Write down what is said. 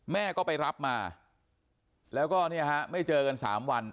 แม่ก็ไปรับมาแล้วก็เนี่ยฮะไม่เจอกัน๓วัน